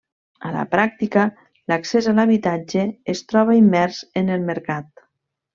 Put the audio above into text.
A la pràctica, l’accés a habitatge es troba immers en el mercat.